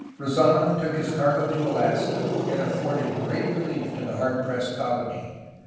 Rezdnof took his cargo to Alaska, and afforded great relief to the hard pressed colony.